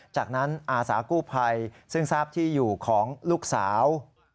จากนั้นอาสากู้ภัยซึ่งทราบที่อยู่ของลูกสาว